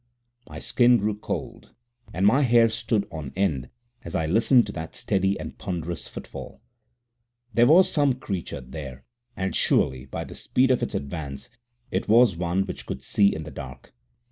My skin grew cold, and my hair stood on end as I listened to that steady and ponderous footfall. There was some creature there, and surely by the speed of its advance, it was one which could see in the dark.